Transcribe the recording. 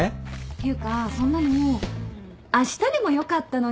ていうかそんなのあしたでもよかったのに。